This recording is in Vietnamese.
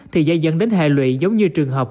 thì dây dần đến hệ lụy giống như trường hợp